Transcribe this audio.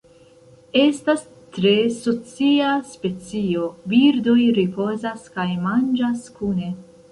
Estas tre socia specio, birdoj ripozas kaj manĝas kune.